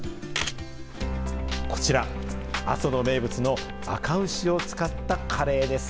こちら、阿蘇の名物の赤牛を使ったカレーです。